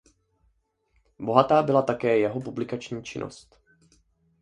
Bohatá byla také jeho publikační činnost.